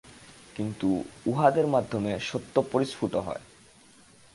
কিন্তু উহাদের মাধ্যমে সত্য পরিস্ফুট হয়।